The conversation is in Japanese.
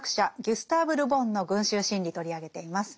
ギュスターヴ・ル・ボンの「群衆心理」取り上げています。